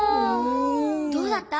どうだった？